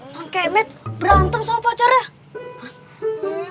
makasih met berantem sama pacarnya